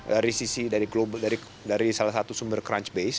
dari sisi global dari salah satu sumber crunch base